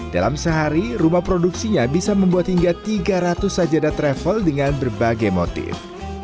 dalam sehari rumah produksinya bisa membuat hingga tiga ratus sajada travel dengan berbagai motif